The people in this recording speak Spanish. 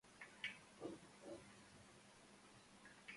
El juego cuenta con un paquete de expansión con el nombre de "Casino Inc.